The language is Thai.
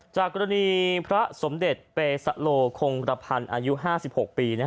จากกรณีพระสมเด็จเปสโลคงกระพันธ์อายุ๕๖ปี